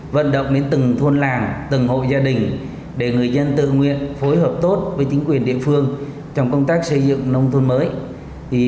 vận động đến từng thôn làng từng hộ gia đình để người dân tự nguyện phối hợp tốt với chính quyền địa phương trong công tác xây dựng nông thôn mới